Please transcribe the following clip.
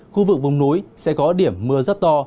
khu vực vùng núi sẽ có điểm mưa rất to